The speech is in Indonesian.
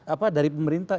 apa dari pemerintah